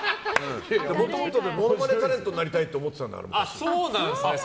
もともとモノマネタレントになりたいと思ってたから、昔。